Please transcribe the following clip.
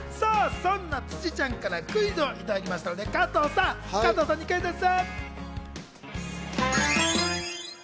そんな辻ちゃんからクイズをいただきましたので加藤さんにクイズッス！